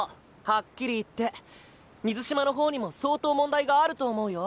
ハッキリ言って水嶋の方にも相当問題があると思うよ。